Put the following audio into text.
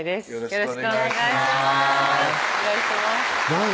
よろしくお願いしますなに？